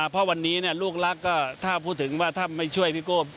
เพราะวันนี้ลูกรักก็ถ้าพูดถึงว่าถ้าไม่ช่วยพี่โก้